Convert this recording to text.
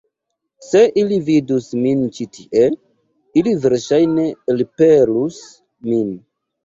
Se ili vidus min ĉi tie, ili verŝajne elpelus min.